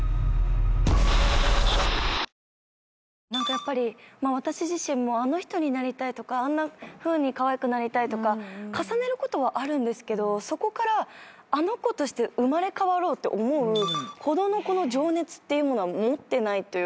やっぱり私自身もあの人になりたいとかあんなふうにかわいくなりたいとか重ねることはあるんですけどそこからあの子として生まれ変わろうって思うほどの情熱は持ってないというか。